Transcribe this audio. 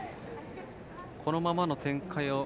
このままの展開では。